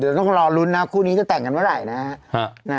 เดี๋ยวต้องรอลุ้นนะคู่นี้จะแต่งกันเมื่อไหร่นะฮะ